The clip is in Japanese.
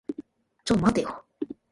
ちょっと待ってよ。